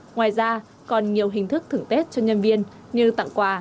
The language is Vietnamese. ngoài ra còn nhiều hình thức thưởng tết cho nhân viên như tặng quà